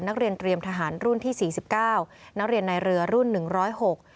นักเรียนเตรียมทหารรุ่นที่สี่สิบเก้านักเรียนในเรือรุ่นหนึ่งร้อยหก